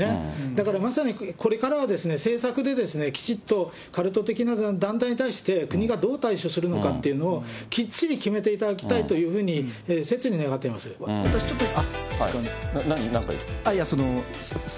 だからまさにこれからは、政策で、きちっとカルト的な団体に対して、国がどう対処するのかというのを、きっちり決めていただきたいというふうに、ちょっと。